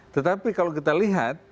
tetapi kalau kita lihat